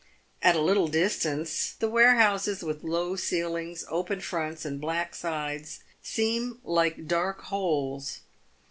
At a little distance, the ware houses with low ceilings, open fronts, and black sides, seem like dark holes.